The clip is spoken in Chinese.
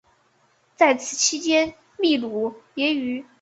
在此期间秘鲁也与五个邻国有边界争端。